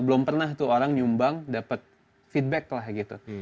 belum pernah tuh orang nyumbang dapat feedback lah gitu